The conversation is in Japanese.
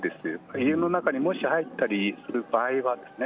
家の中に、もし、入ったりする場合はですね